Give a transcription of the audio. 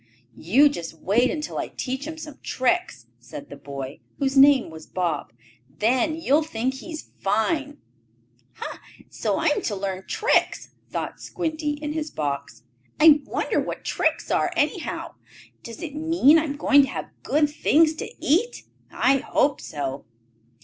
"You just wait until I teach him some tricks," said the boy, whose name was Bob. "Then you'll think he's fine!" "Ha! So I am to learn tricks," thought Squinty in his box. "I wonder what tricks are, anyhow? Does it mean I am to have good things to eat? I hope so."